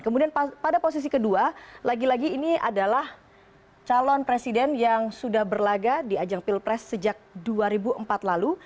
kemudian pada posisi kedua lagi lagi ini adalah calon presiden yang sudah berlaga di ajang pilpres sejak dua ribu empat lalu